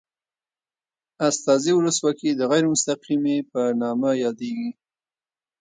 استازي ولسواکي د غیر مستقیمې په نامه یادیږي.